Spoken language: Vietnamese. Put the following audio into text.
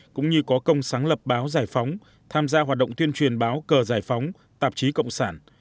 cũng như có công sáng lập báo giải phóng tham gia hoạt động tuyên truyền báo cờ giải phóng tạp chí cộng sản